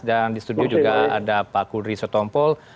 dan di studio juga ada pak kudri setompol